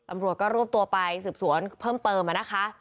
ตำรวจก็รวบตัวไปสืบสวนเพิ่มเติมนะคะ